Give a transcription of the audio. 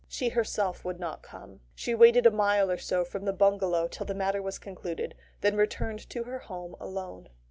She herself would not come. She waited a mile or so from the bungalow till the matter was concluded, then returned to her home alone.